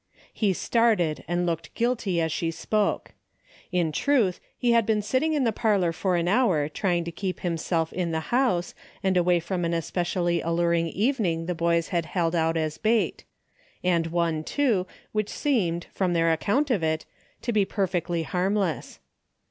He started and looked guilty as she spoke. In truth, he had been sitting in the parlor for an hour trying to keep himself in the house, and away from an especially alluring evening the boys had held out as bait ; and one, too, which seemed, from their account of it, to be perfectly harmless.